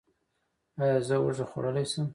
ایا زه هوږه خوړلی شم؟